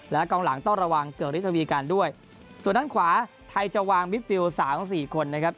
และกองหลังต้องระวังเกือกฤทธวีการด้วยส่วนด้านขวาไทยจะวางมิดฟิลสามสี่คนนะครับ